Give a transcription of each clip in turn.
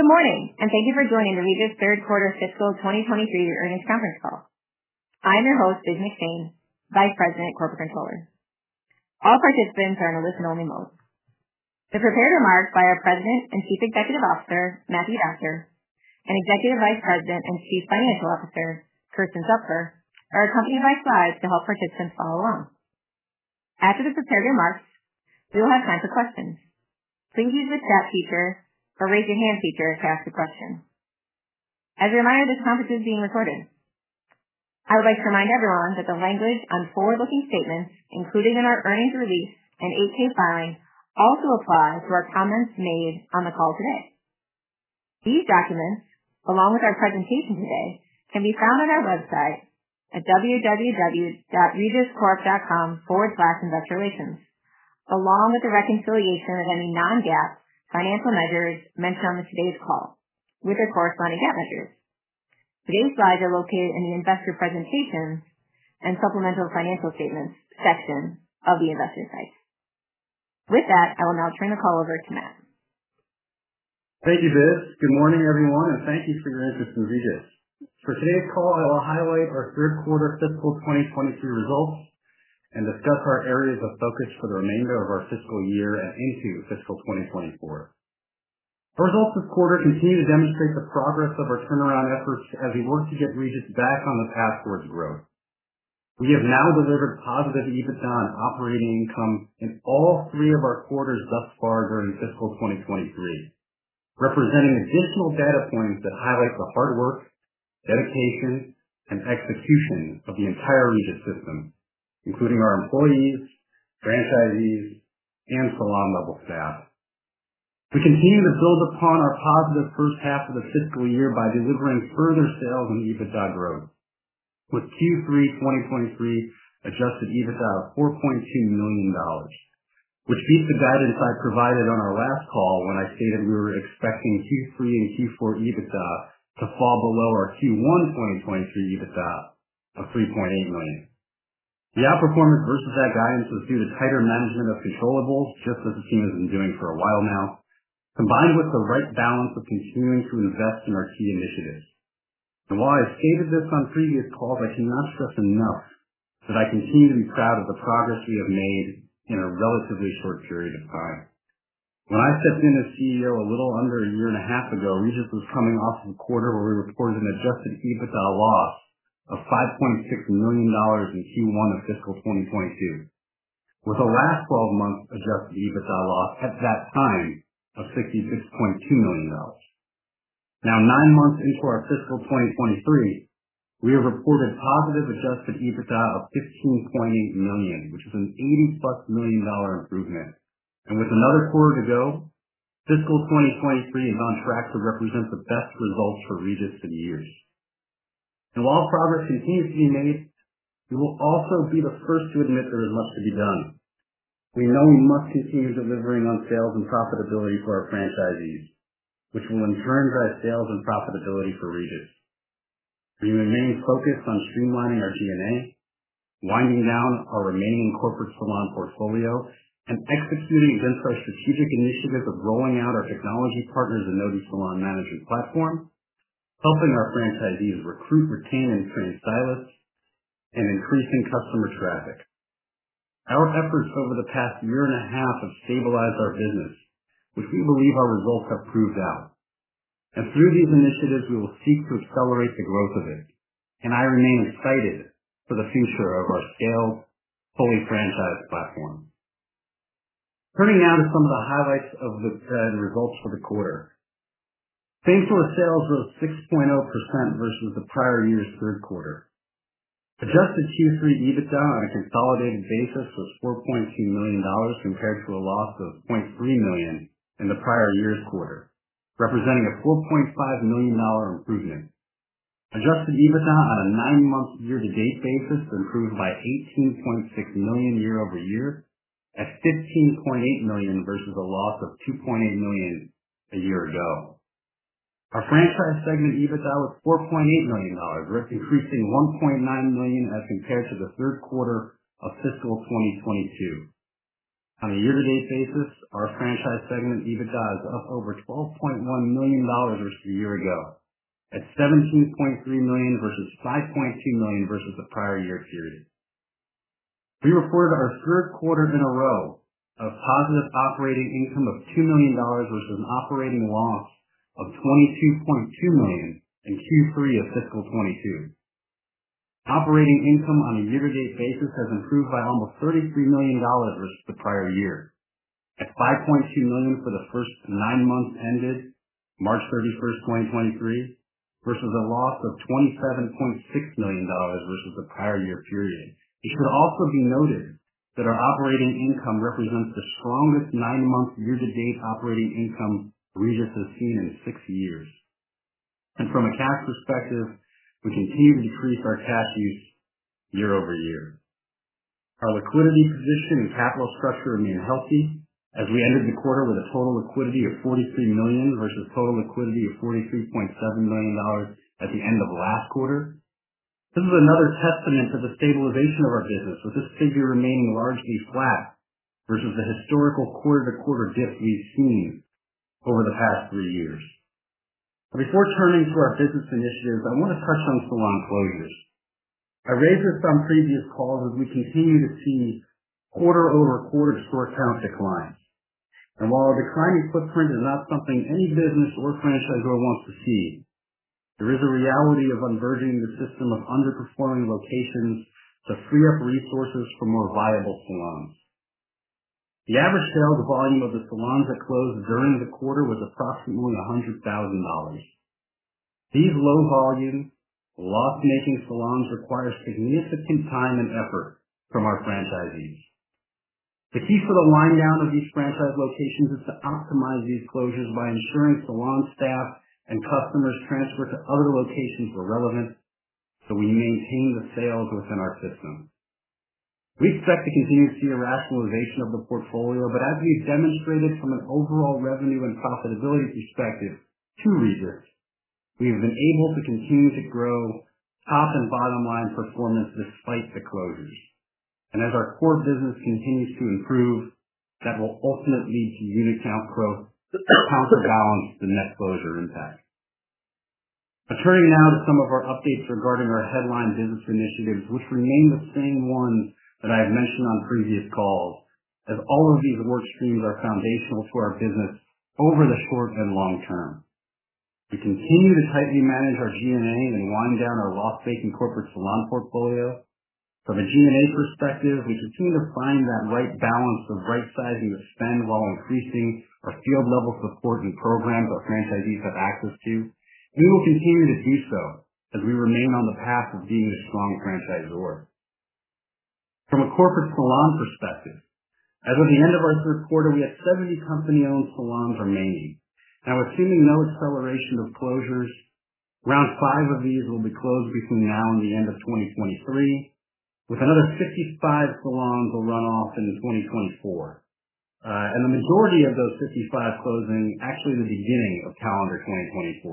Good morning. Thank you for joining Regis Third Quarter Fiscal 2023 Earnings Conference Call. I'm your host, Biz McShane, Vice President, Corporate Controller. All participants are in listen only mode. The prepared remarks by our President and Chief Executive Officer, Matthew Doctor, and Executive Vice President and Chief Financial Officer, Kersten Zupfer, are accompanied by slides to help participants follow along. After the prepared remarks, we will have time for questions. Please use the star key or raise your hand key to ask a question. As a reminder, this conference is being recorded. I would like to remind everyone that the language on forward-looking statements included in our earnings release and 8-K filing also apply to our comments made on the call today. These documents, along with our presentation today, can be found on our website at www.regiscorp.com/investorrelations, along with the reconciliation of any non-GAAP financial measures mentioned on today's call with their corresponding GAAP measures. Today's slides are located in the Investor Presentation and Supplemental Financial Statements section of the investor site. With that, I will now turn the call over to Matt. Thank you, Biz. Good morning, everyone. Thank you for your interest in Regis. For today's call, I will highlight our Third Quarter Fiscal 2023 Results and discuss our areas of focus for the remainder of our fiscal year and into fiscal 2024. Results this quarter continue to demonstrate the progress of our turnaround efforts as we work to get Regis back on the path towards growth. We have now delivered positive EBITDA and operating income in all three of our quarters thus far during fiscal 2023, representing additional data points that highlight the hard work, dedication and execution of the entire Regis system, including our employees, franchisees, and salon level staff. We continue to build upon our positive first half of the fiscal year by delivering further sales and EBITDA growth, with Q3 2023 Adjusted EBITDA of $4.2 million, which beats the guidance I provided on our last call when I stated we were expecting Q3 and Q4 EBITDA to fall below our Q1 2023 EBITDA of $3.8 million. The outperformance versus that guidance was due to tighter management of controllables, just as the team has been doing for a while now, combined with the right balance of continuing to invest in our key initiatives. While I've stated this on previous calls, I cannot stress enough that I continue to be proud of the progress we have made in a relatively short period of time. When I stepped in as CEO a little under a year and a half ago, Regis was coming off of a quarter where we reported an Adjusted EBITDA loss of $5.6 million in Q1 of fiscal 2022, with the last 12 months Adjusted EBITDA loss at that time of $66.2 million. Now, nine months into our fiscal 2023, we have reported positive Adjusted EBITDA of $15.8 million, which is an $80+ million improvement. With another quarter to go, fiscal 2023 is on track to represent the best results for Regis in years. While progress continues to be made, we will also be the first to admit there is much to be done. We know we must continue delivering on sales and profitability for our franchisees, which will in turn drive sales and profitability for Regis. We remain focused on streamlining our DNA, winding down our remaining corporate salon portfolio, and executing against our strategic initiative of rolling out our technology partners Zenoti Salon Management platform, helping our franchisees recruit, retain, and train stylists and increasing customer traffic. Our efforts over the past year and a half have stabilized our business, which we believe our results have proved out. Through these initiatives, we will seek to accelerate the growth of it. I remain excited for the future of our scaled, fully franchised platform. Turning now to some of the highlights of the results for the quarter. Same-store sales of 6.0% versus the prior year's third quarter. Adjusted Q3 EBITDA on a consolidated basis was $4.2 million compared to a loss of $0.3 million in the prior year's quarter, representing a $4.5 million improvement. Adjusted EBITDA on a nine month year-to-date basis improved by $18.6 million year-over-year at $15.8 million versus a loss of $2.8 million a year ago. Our franchise segment EBITDA was $4.8 million, representing $1.9 million as compared to the third quarter of fiscal 2022. On a year-to-date basis, our franchise segment EBITDA is up over $12.1 million versus a year ago at $17.3 million versus $5.2 million versus the prior year period. We reported our third quarter in a row of positive operating income of $2 million versus an operating loss of $22.2 million in Q3 of fiscal 2022. Operating income on a year-to-date basis has improved by almost $33 million versus the prior year at $5.2 million for the first nine months ended March 31, 2023 versus a loss of $27.6 million versus the prior year period. It should also be noted that our operating income represents the strongest nine-month year-to-date operating income Regis has seen in six years. From a cash perspective, we continue to decrease our cash use year-over-year. Our liquidity position and capital structure remain healthy as we ended the quarter with a total liquidity of $43 million versus total liquidity of $43.7 million at the end of last quarter. This is another testament to the stabilization of our business, with this figure remaining largely flat versus the historical quarter-to-quarter dip we've seen over the past three years. Before turning to our business initiatives, I wanna touch on salon closures. I raised this on previous calls as we continue to see quarter-over-quarter store count decline. While a declining footprint is not something any business or franchisor wants to see, there is a reality of unburdening the system of underperforming locations to free up resources for more viable salons. The average sales volume of the salons that closed during the quarter was approximately $100,000. These low volume loss-making salons require significant time and effort from our franchisees. The key for the wind down of these franchise locations is to optimize these closures by ensuring salon staff and customers transfer to other locations where relevant. We maintain the sales within our system. We expect to continue to see a rationalization of the portfolio. As we've demonstrated from an overall revenue and profitability perspective, two reasons we've been able to continue to grow top and bottom line performance despite the closures. As our core business continues to improve, that will ultimately lead to unit count growth to counterbalance the net closure impact. Turning now to some of our updates regarding our headline business initiatives, which remain the same ones that I have mentioned on previous calls, as all of these work streams are foundational to our business over the short and long term. We continue to tightly manage our G&A and wind down our loss-making corporate salon portfolio. From a G&A perspective, we continue to find that right balance of right-sizing the spend while increasing our field level support and programs our franchisees have access to. We will continue to do so as we remain on the path of being a strong franchisor. From a corporate salon perspective, as of the end of our third quarter, we had 70 company-owned salons remaining. Assuming no acceleration of closures, around five of these will be closed between now and the end of 2023, with another 65 salons will run off into 2024. The majority of those 65 closing actually in the beginning of calendar 2024.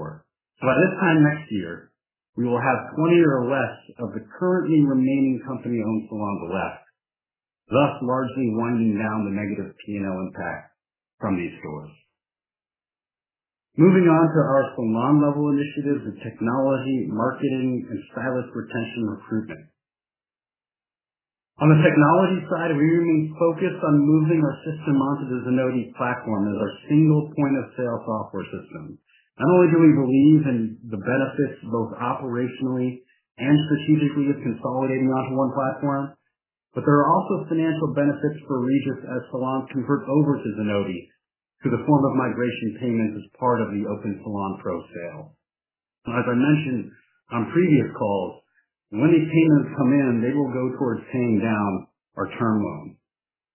By this time next year, we will have 20 or less of the currently remaining company-owned salons left, thus largely winding down the negative P&L impact from these stores. Moving on to our salon level initiatives in technology, marketing, and stylist retention recruitment. On the technology side, we remain focused on moving our system onto the Zenoti platform as our single point-of-sale software system. Not only do we believe in the benefits, both operationally and strategically, of consolidating onto one platform, but there are also financial benefits for Regis as salons convert over to Zenoti through the form of migration payments as part of the OpenSalon Pro sale. Now, as I mentioned on previous calls, when these payments come in, they will go towards paying down our term loan.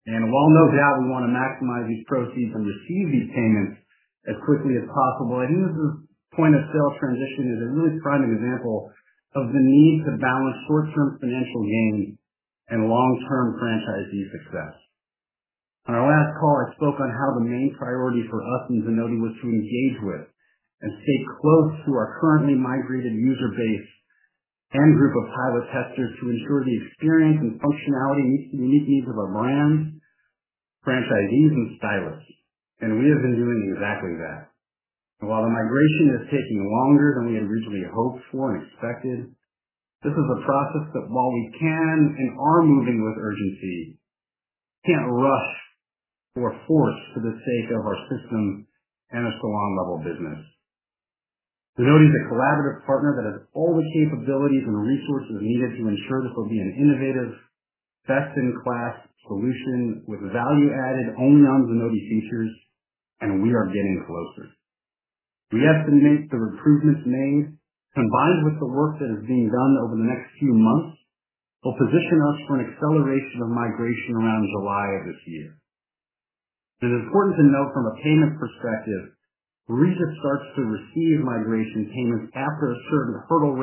While no doubt we wanna maximize these proceeds and receive these payments as quickly as possible, I think this point-of-sale transition is a really prime example of the need to balance short-term financial gain and long-term franchisee success. On our last call, I spoke on how the main priority for us in Zenoti was to engage with and stay close to our currently migrated user base and group of pilot testers to ensure the experience and functionality meets the unique needs of our brands, franchisees, and stylists. We have been doing exactly that. While the migration is taking longer than we had originally hoped for and expected, this is a process that while we can and are moving with urgency, can't rush or force for the sake of our system and a salon level business. Zenoti is a collaborative partner that has all the capabilities and resources needed to ensure this will be an innovative, best-in-class solution with value-added, only-on-Zenoti features, and we are getting closer. We estimate the improvements made, combined with the work that is being done over the next few months, will position us for an acceleration of migration around July of this year. It is important to note from a payment perspective, Regis starts to receive migration payments after a certain cohort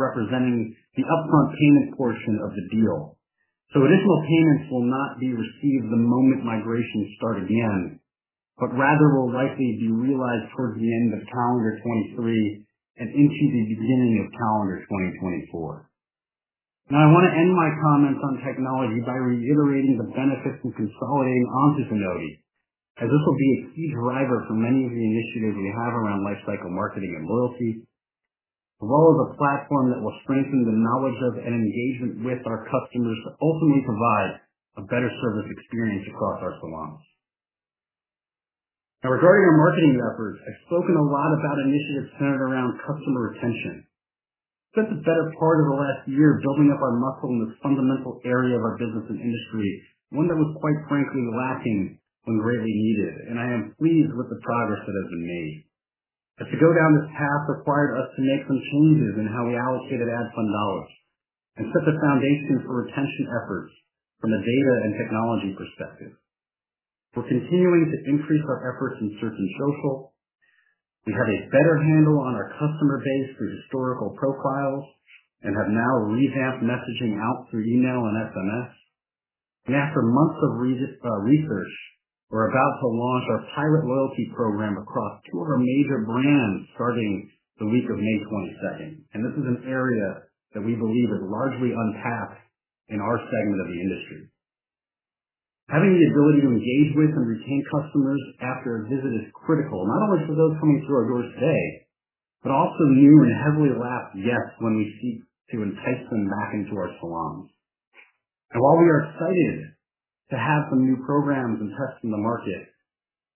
representing the upfront payment portion of the deal. Additional payments will not be received the moment migrations start again, but rather will likely be realized towards the end of calendar 2023 and into the beginning of calendar 2024. I wanna end my comments on technology by reiterating the benefits of consolidating onto Zenoti, as this will be a key driver for many of the initiatives we have around lifecycle marketing and loyalty, as well as a platform that will strengthen the knowledge of and engagement with our customers to ultimately provide a better service experience across our salons. Regarding our marketing efforts, I've spoken a lot about initiatives centered around customer retention. We spent the better part of the last year building up our muscle in this fundamental area of our business and industry, one that was, quite frankly, lacking and greatly needed. I am pleased with the progress that has been made. To go down this path required us to make some changes in how we allocated ad spend dollars and set the foundation for retention efforts from a data and technology perspective. We're continuing to increase our efforts in search and social. We have a better handle on our customer base through historical profiles and have now revamped messaging out through email and SMS. After months of research, we're about to launch our pilot loyalty program across two of our major brands starting the week of May 22nd. This is an area that we believe is largely untapped in our segment of the industry. Having the ability to engage with and retain customers after a visit is critical, not only for those coming through our doors today, but also new and heavily lapsed guests when we seek to entice them back into our salons. While we are excited to have some new programs and tests in the market,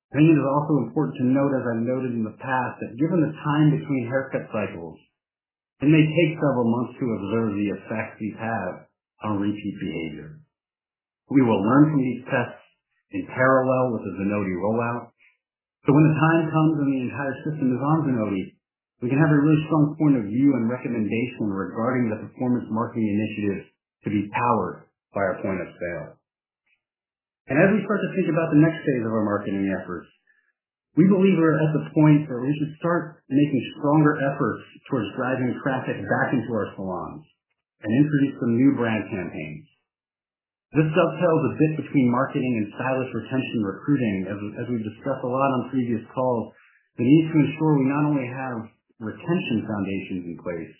I think it is also important to note, as I noted in the past, that given the time between haircut cycles, it may take several months to observe the effects these have on repeat behavior. We will learn from these tests in parallel with the Zenoti rollout, so when the time comes and the entire system is on Zenoti, we can have a really strong point of view and recommendation regarding the performance marketing initiatives to be powered by our point-of-sale. As we start to think about the next phase of our marketing efforts, we believe we're at the point that we should start making stronger efforts towards driving traffic back into our salons and introduce some new brand campaigns. This dovetails a bit between marketing and stylist retention recruiting. As we've discussed a lot on previous calls, the need to ensure we not only have retention foundations in place,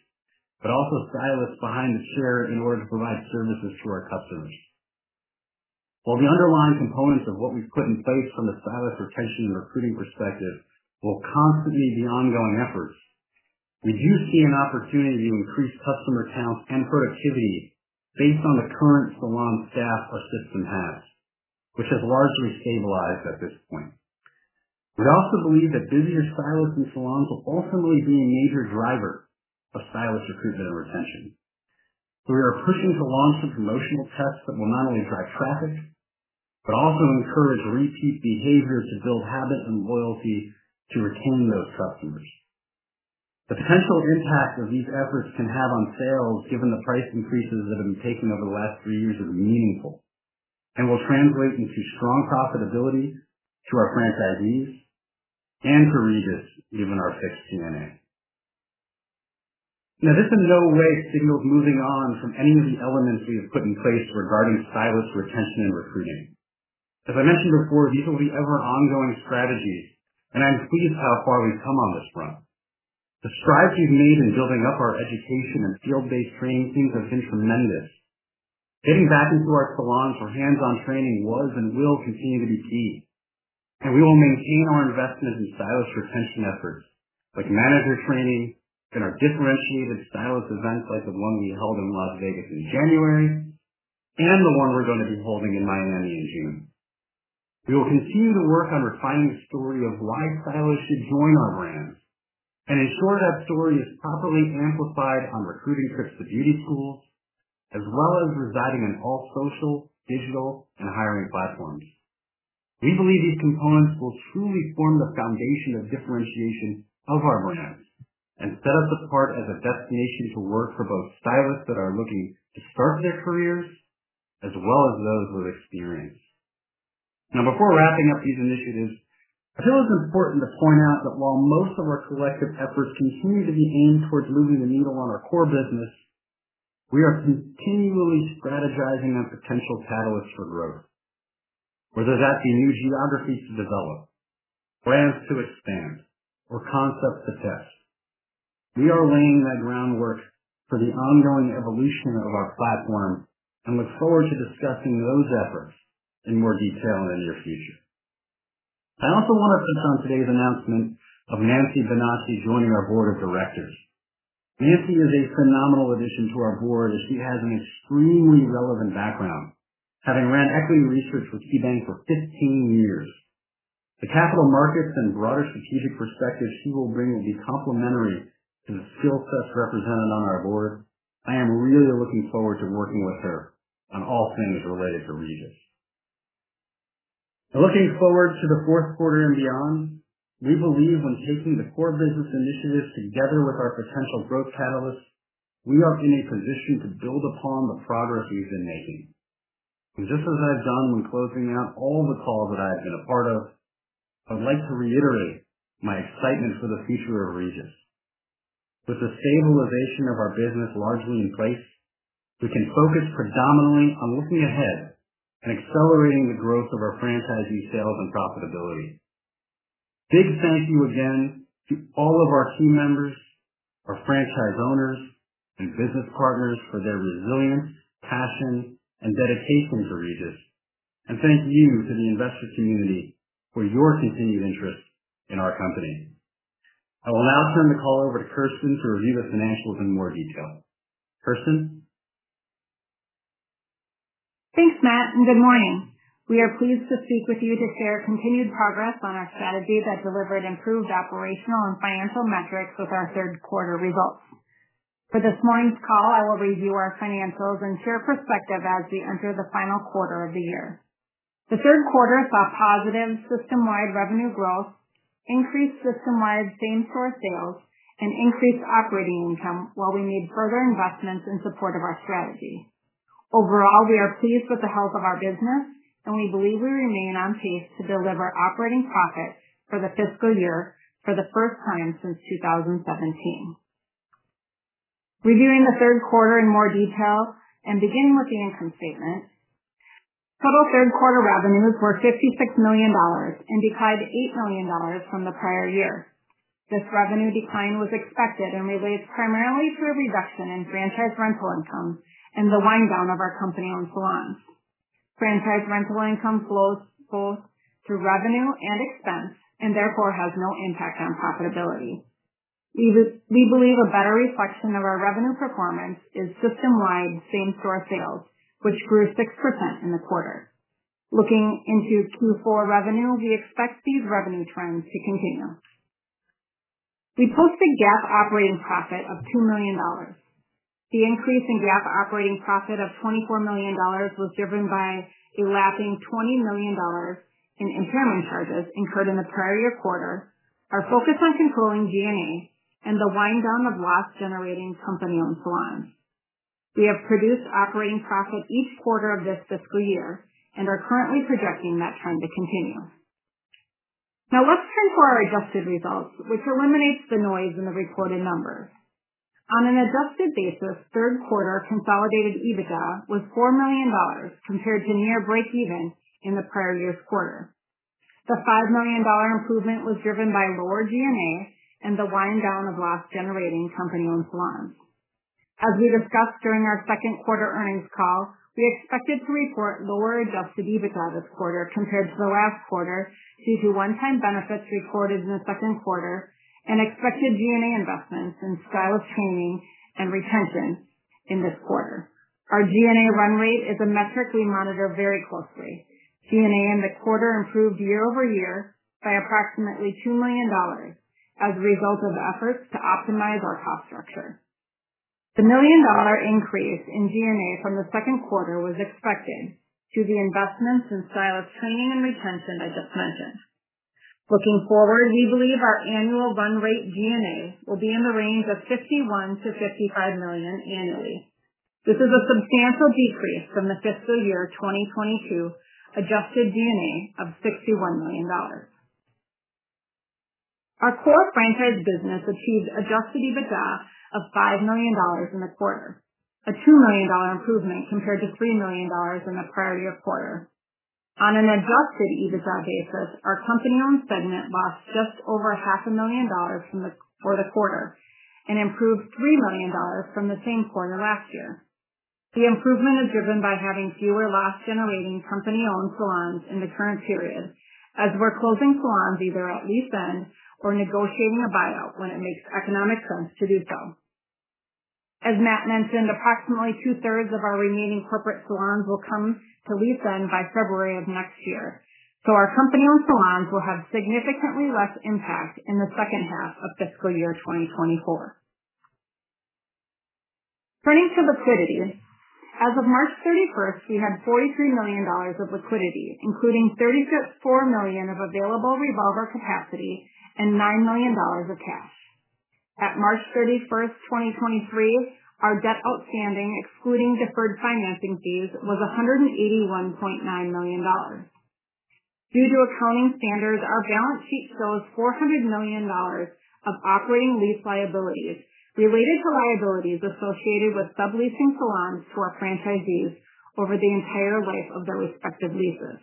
but also stylists behind the chair in order to provide services to our customers. While the underlying components of what we've put in place from the stylist retention and recruiting perspective will constantly be ongoing efforts, we do see an opportunity to increase customer counts and productivity based on the current salon staff our system has, which has largely stabilized at this point. We also believe that busier stylists and salons will ultimately be a major driver of stylist recruitment and retention. We are pushing to launch some promotional tests that will not only drive traffic, but also encourage repeat behavior to build habit and loyalty to retain those customers. The potential impact that these efforts can have on sales, given the price increases that have been taken over the last three years, is meaningful and will translate into strong profitability to our franchisees and to Regis, given our fixed P&A. Now, this in no way signals moving on from any of the elements we have put in place regarding stylist retention and recruiting. As I mentioned before, these will be ever ongoing strategies, and I'm pleased with how far we've come on this front. The strides we've made in building up our education and field-based training teams have been tremendous. Getting back into our salons for hands-on training was and will continue to be key, and we will maintain our investments in stylist retention efforts, like manager training and our differentiated stylist events, like the one we held in Las Vegas in January and the one we're gonna be holding in Miami in June. We will continue to work on refining the story of why stylists should join our brands and ensure that story is properly amplified on recruiting trips to beauty schools, as well as residing on all social, digital, and hiring platforms. We believe these components will truly form the foundation of differentiation of our brands and set us apart as a destination to work for both stylists that are looking to start their careers, as well as those with experience. Now, before wrapping up these initiatives, I feel it's important to point out that while most of our collective efforts continue to be aimed towards moving the needle on our core business, we are continually strategizing on potential catalysts for growth. Whether that be new geographies to develop, brands to expand, or concepts to test. We are laying that groundwork for the ongoing evolution of our platform and look forward to discussing those efforts in more detail in the near future. I also wanna touch on today's announcement of Nancy Benacci joining our Board of Directors. Nancy is a phenomenal addition to our board, as she has an extremely relevant background, having ran equity research for KeyBank for 15 years. The capital markets and broader strategic perspective she will bring will be complementary to the skill sets represented on our board. I am really looking forward to working with her on all things related to Regis. Now, looking forward to the fourth quarter and beyond, we believe when taking the core business initiatives together with our potential growth catalysts, we are in a position to build upon the progress we've been making. Just as I've done when closing out all the calls that I have been a part of, I'd like to reiterate my excitement for the future of Regis. With the stabilization of our business largely in place, we can focus predominantly on looking ahead and accelerating the growth of our franchising sales and profitability. Big thank you again to all of our team members, our franchise owners, and business partners for their resilience, passion, and dedication to Regis. Thank you to the investor community for your continued interest in our company. I will now turn the call over to Kersten to review the financials in more detail. Kersten? Thanks, Matt. Good morning. We are pleased to speak with you to share continued progress on our strategy that delivered improved operational and financial metrics with our third quarter results. For this morning's call, I will review our financials and share perspective as we enter the final quarter of the year. The third quarter saw positive systemwide revenue growth, increased systemwide same-store sales, and increased operating income, while we made further investments in support of our strategy. Overall, we are pleased with the health of our business, and we believe we remain on pace to deliver operating profits for the fiscal year for the first time since 2017. Reviewing the third quarter in more detail and beginning with the income statement. Total third quarter revenues were $56 million and declined $8 million from the prior year. This revenue decline was expected and relates primarily to a reduction in franchise rental income and the wind down of our company-owned salons. Franchise rental income flows both through revenue and expense and therefore has no impact on profitability. We believe a better reflection of our revenue performance is system-wide same store sales, which grew 6% in the quarter. Looking into Q4 revenue, we expect these revenue trends to continue. We posted GAAP operating profit of $2 million. The increase in GAAP operating profit of $24 million was driven by a lapping $20 million in impairment charges incurred in the prior year quarter. Our focus on controlling G&A and the wind down of loss generating company-owned salons. We have produced operating profit each quarter of this fiscal year and are currently projecting that trend to continue. Now let's turn to our adjusted results, which eliminates the noise in the reported numbers. On an adjusted basis, third quarter consolidated EBITDA was $4 million compared to near breakeven in the prior year's quarter. The $5 million improvement was driven by lower G&A and the wind down of loss generating company-owned salons. As we discussed during our second quarter earnings call, we expected to report lower Adjusted EBITDA this quarter compared to the last quarter due to one-time benefits reported in the second quarter and expected G&A investments in stylist training and retention in this quarter. Our G&A run rate is a metric we monitor very closely. G&A in the quarter improved year-over-year by approximately $2 million as a result of efforts to optimize our cost structure. The $1 million increase in G&A from the second quarter was expected due to investments in stylist training and retention I just mentioned. Looking forward, we believe our annual run rate G&A will be in the range of $51 million-$55 million annually. This is a substantial decrease from the fiscal year 2022 adjusted G&A of $61 million. Our core franchise business achieved Adjusted EBITDA of $5 million in the quarter, a $2 million improvement compared to $3 million in the prior year quarter. On an Adjusted EBITDA basis, our company-owned segment lost just over $500,000 for the quarter and improved $3 million from the same quarter last year. The improvement is driven by having fewer loss generating company-owned salons in the current period as we're closing salons either at lease end or negotiating a buyout when it makes economic sense to do so. As Matthew mentioned, approximately two-thirds of our remaining corporate salons will come to lease end by February of next year, our company-owned salons will have significantly less impact in the second half of fiscal year 2024. Turning to liquidity. As of March 31st, we had $43 million of liquidity, including $34 million of available revolver capacity and $9 million of cash. At March 31st, 2023, our debt outstanding, excluding deferred financing fees, was $181.9 million. Due to accounting standards, our balance sheet shows $400 million of operating lease liabilities related to liabilities associated with subleasing salons to our franchisees over the entire life of their respective leases.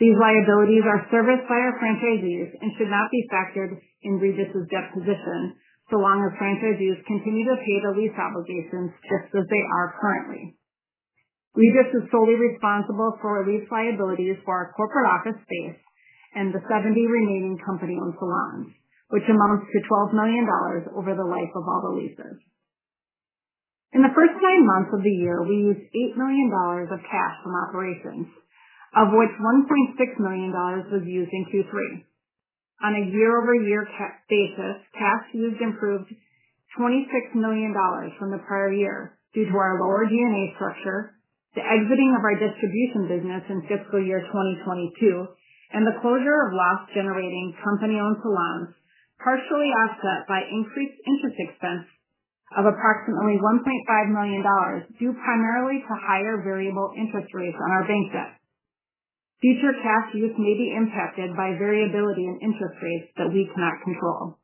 These liabilities are serviced by our franchisees and should not be factored in Regis's debt position so long as franchisees continue to pay their lease obligations just as they are currently. Regis is solely responsible for lease liabilities for our corporate office space and the 70 remaining company-owned salons, which amounts to $12 million over the life of all the leases. In the first nine months of the year, we used $8 million of cash from operations, of which $1.6 million was used in Q3. On a year-over-year basis, cash used improved $26 million from the prior year due to our lower G&A structure, the exiting of our distribution business in fiscal year 2022, and the closure of loss-generating company-owned salons, partially offset by increased interest expense of approximately $1.5 million, due primarily to higher variable interest rates on our bank debt. Future cash use may be impacted by variability in interest rates that we cannot control.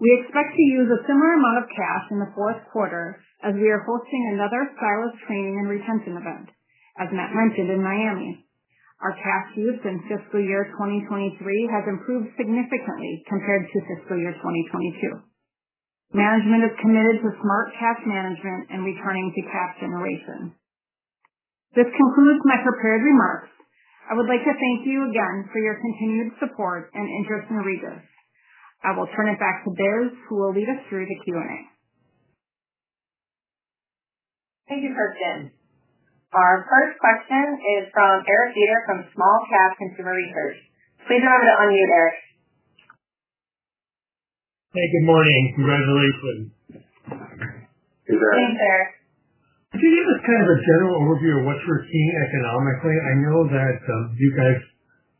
We expect to use a similar amount of cash in the fourth quarter as we are hosting another stylist training and retention event, as Matt mentioned, in Miami. Our cash use in fiscal year 2023 has improved significantly compared to fiscal year 2022. Management is committed to smart cash management and returning to cash generation. This concludes my prepared remarks. I would like to thank you again for your continued support and interest in Regis. I will turn it back to Biz, who will lead us through the Q&A. Thank you, Kersten. Our first question is from Eric Beder from Small Cap Consumer Research. Please go ahead and unmute, Eric. Hey, good morning. Congratulations. Thanks, Eric. Can you give us kind of a general overview of what you're seeing economically? I know that, you guys,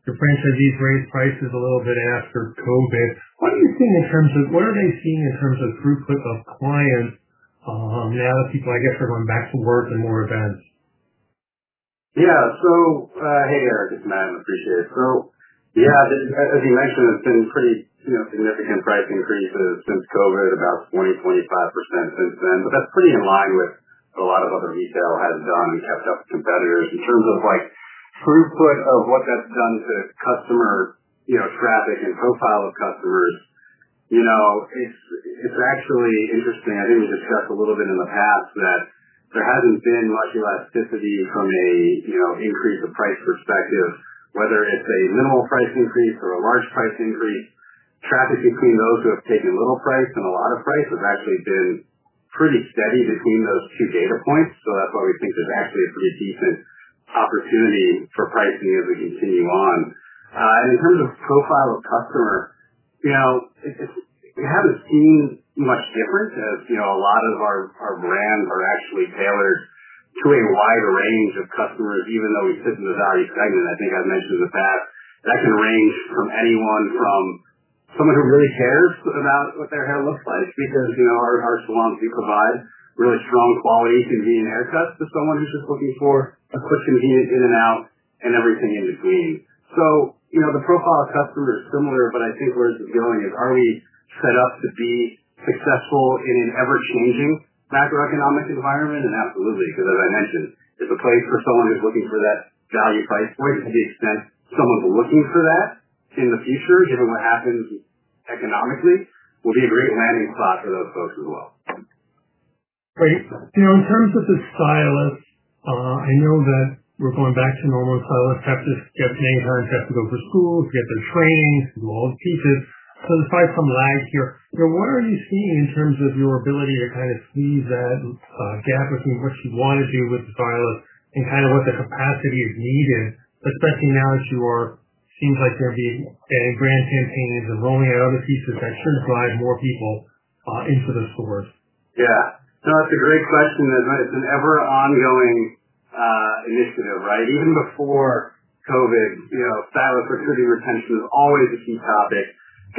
your franchisees raised prices a little bit after COVID. What are you seeing in terms of what are they seeing in terms of throughput of clients, now that people, I guess, are going back to work and more events? Yeah. Hey, Eric, it's Matthew. I appreciate it. Yeah, as you mentioned, it's been pretty, you know, significant price increases since COVID about 20%-25% since then. That's pretty in line with what a lot of other retail has done and kept up with competitors. In terms of like throughput of what that's done to customer, you know, traffic and profile of customers. You know, it's actually interesting. I think we've discussed a little bit in the past that there hasn't been much elasticity from a, you know, increase of price perspective, whether it's a minimal price increase or a large price increase. Traffic between those who have taken little price and a lot of price has actually been pretty steady between those two data points. That's why we think there's actually a pretty decent opportunity for pricing as we continue on. In terms of profile of customer, you know, it hasn't seemed much different. As you know, a lot of our brands are actually tailored to a wide range of customers, even though we sit in the value segment. I think I've mentioned in the past that can range from anyone from someone who really cares about what their hair looks like because, you know, our salons do provide really strong quality, convenient haircuts to someone who's just looking for a quick, convenient in and out and everything in between. You know, the profile of customers is similar, but I think where this is going is are we set up to be successful in an ever-changing macroeconomic environment? Absolutely, because as I mentioned, it's a place for someone who's looking for that value price point. To the extent someone's looking for that in the future, given what happens economically, we'll be a great landing spot for those folks as well. Great. You know, in terms of the stylists, I know that we're going back to normal. Stylists have to get paying parents, have to go through school to get their training from all the teachers. There's probably some lag here. What are you seeing in terms of your ability to kind of squeeze that gap between what you wanna do with the stylist and kind of what the capacity is needed, especially now that you seems like there'll be a brand campaign is rolling out other pieces that should drive more people into the stores? Yeah. No, that's a great question. It's an ever ongoing initiative, right? Even before COVID, you know, stylist recruiting retention was always a key topic.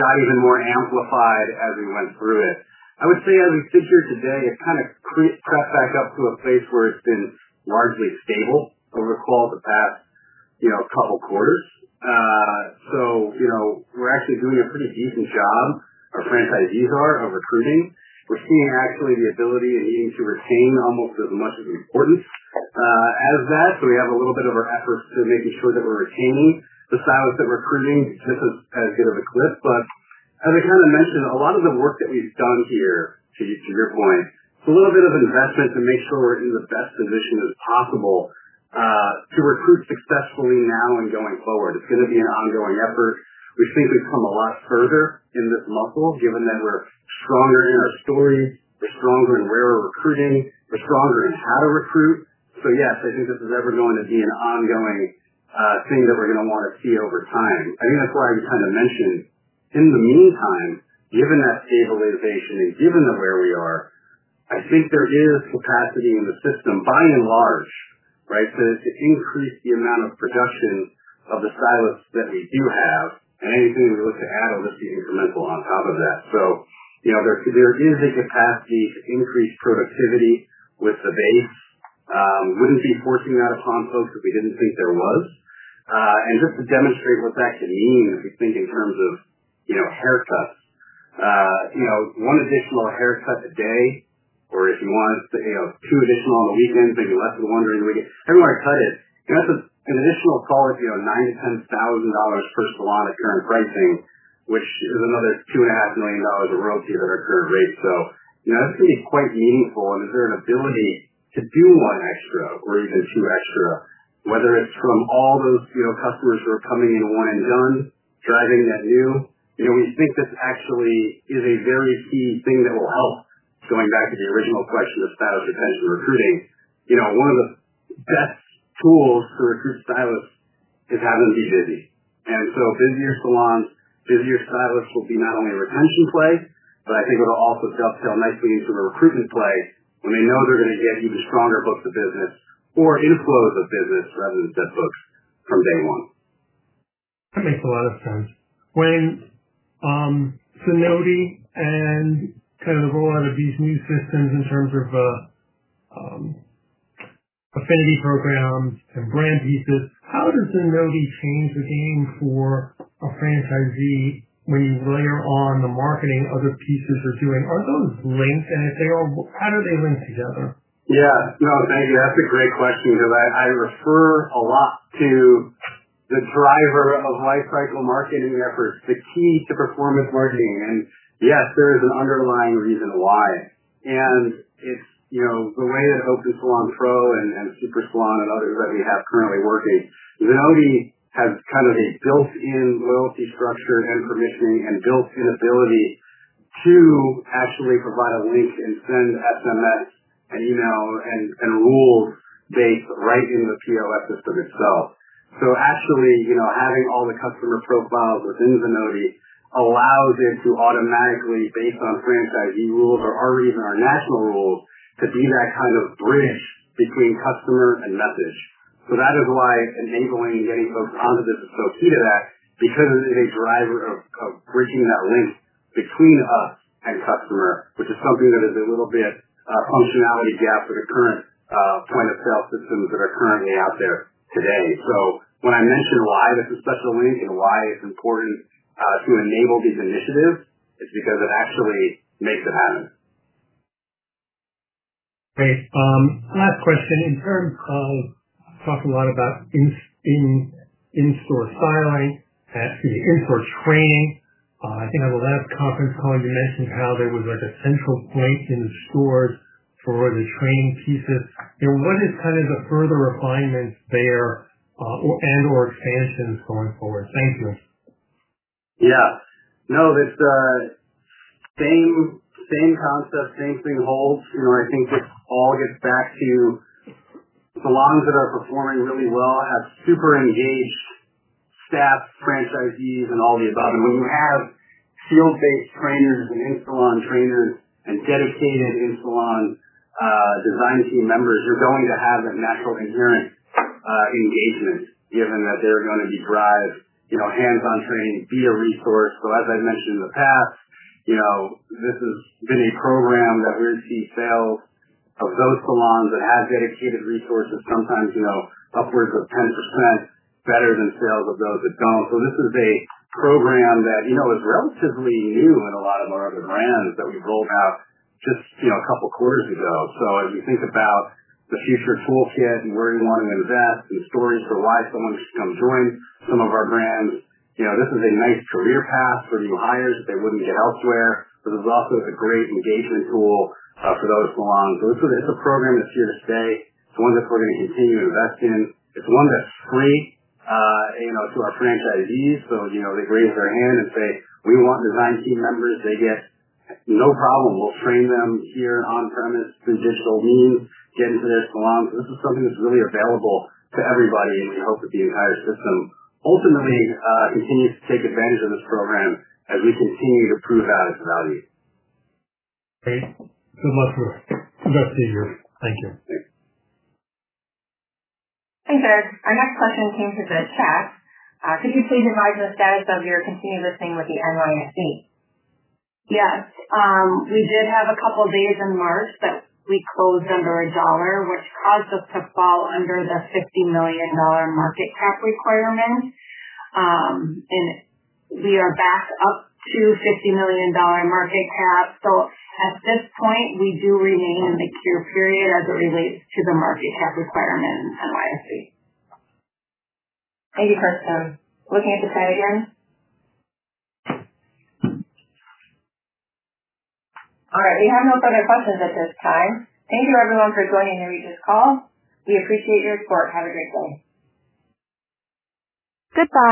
Got even more amplified as we went through it. I would say as we sit here today, it's kind of crept back up to a place where it's been largely stable over the course of the past, you know, couple quarters. You know, we're actually doing a pretty decent job. Our franchisees are recruiting. We're seeing actually the ability and needing to retain almost as much of importance as that. We have a little bit of our efforts to making sure that we're retaining the stylists that we're recruiting just as good of a clip. As I kind of mentioned, a lot of the work that we've done here to your point, it's a little bit of investment to make sure we're in the best position as possible to recruit successfully now and going forward. It's gonna be an ongoing effort. We think we've come a lot further in this muscle, given that we're stronger in our story, we're stronger in where we're recruiting, we're stronger in how to recruit. Yes, I think this is ever going to be an ongoing thing that we're gonna wanna see over time. I think that's why I just kinda mentioned in the meantime, given that stable innovation and given that where we are, I think there is capacity in the system by and large, right, to increase the amount of production of the stylists that we do have and anything we look to add will just be incremental on top of that. you know, there is a capacity to increase productivity with the base. Wouldn't be forcing that upon folks if we didn't think there was. Just to demonstrate what that could mean, if you think in terms of haircuts, one additional haircut a day or if you want two additional on the weekends, maybe less than one during the week, however you wanna cut it, that's an additional call of $9,000-$10,000 per salon at current pricing, which is another two and a half million dollars of royalty at our current rate. That's going to be quite meaningful. Is there an ability to do one extra or even two extra, whether it's from all those customers who are coming in one and done driving that new. We think this actually is a very key thing that will help. Going back to the original question of stylist retention recruiting, you know, one of the best tools to recruit stylists is having to be busy. Busier salons, busier stylists will be not only a retention play, but I think it'll also dovetail nicely into the recruitment play when they know they're gonna get either stronger books of business or inflows of business rather than just books from day one. That makes a lot of sense. When Zenoti and kind of the rollout of these new systems in terms of affinity programs and brand pieces, how does Zenoti change the game for a franchisee when you layer on the marketing other pieces are doing? Are those linked in any way? How do they link together? Yeah. No, thank you. That's a great question because I refer a lot to the driver of lifecycle marketing efforts, the key to performance marketing. Yes, there is an underlying reason why. It's, you know, the way that OpenSalon Pro and SuperSalon and others that we have currently working. Zenoti has kind of a built-in loyalty structure and permissioning and built-in ability to actually provide a link and send SMS and email and rules based right in the POS system itself. Actually, you know, having all the customer profiles within Zenoti allows it to automatically based on franchisee rules or our even our national rules, to be that kind of bridge between customer and message. That is why enabling and getting folks onto the associate app becomes a driver of bridging that link between us and customer, which is something that is a little bit functionality gap for the current point of sale systems that are currently out there today. When I mention why this is special link and why it's important to enable these initiatives, it's because it actually makes it happen. Great. Last question. In terms of talking a lot about in-store styling, in-store training. I think on the last conference call you mentioned how there was like a central point in the stores for the training pieces. You know, what is kind of the further refinements there, and or expansions going forward? Thanks, No, that's same concept, same thing holds. You know, I think this all gets back to salons that are performing really well, have super engaged staff, franchisees and all the above. When you have field-based trainers and in-salon trainers and dedicated in-salon design team members, you're going to have that natural inherent engagement given that they're gonna be drive, you know, hands-on training, be a resource. As I've mentioned in the past, you know, this has been a program that we see sales of those salons that have dedicated resources sometimes, you know, upwards of 10% better than sales of those that don't. This is a program that, you know, is relatively new in a lot of our other brands that we rolled out just, you know, a couple quarters ago. As you think about the future toolkit and where you wanna invest and stories for why someone should come join some of our brands, you know, this is a nice career path for new hires that they wouldn't get elsewhere. This is also a great engagement tool for those salons. This is a program that's here to stay. It's one that we're gonna continue to invest in. It's one that's free, you know, to our franchisees. You know, they raise their hand and say, "We want design team members." They get, "No problem. We'll train them here on premise through digital means. Get into the salon." This is something that's really available to everybody, and we hope that the entire system ultimately continues to take advantage of this program as we continue to prove out its value. Great. Good luck to you. Thank you. Thanks, Eric. Our next question came through the chat. Could you please advise the status of your continuing listing with the NYSE? Yes. We did have a couple days in March that we closed under $1, which caused us to fall under the $50 million market cap requirement. We are back up to $50 million market cap. At this point, we do remain in the cure period as it relates to the market cap requirement in NYSE. Thank you, Kersten. Looking at the pad again. All right. We have no further questions at this time. Thank you everyone for joining me this call. We appreciate your support. Have a great day. Goodbye.